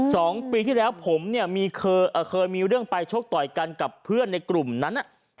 สองปีที่แล้วผมเนี่ยเคยมีเรื่องไปชกต่อยกันกับเพื่อนในกลุ่มนั้น